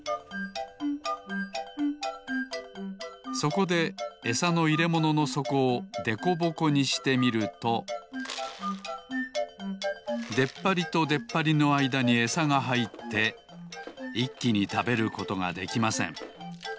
そこでエサのいれもののそこをでこぼこにしてみるとでっぱりとでっぱりのあいだにエサがはいっていっきにたべることができません。